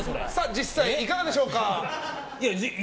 実際いかがでしょうか？